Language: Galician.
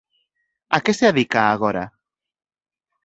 A que se adica agora?